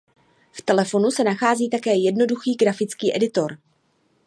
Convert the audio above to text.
V telefonu se nachází také jednoduchý grafický editor.